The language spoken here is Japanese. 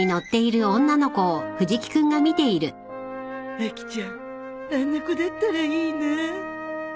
アキちゃんあんな子だったらいいなあ